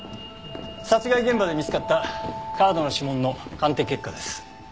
殺害現場で見つかったカードの指紋の鑑定結果です。